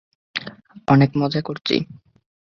অনেক মজা করছি।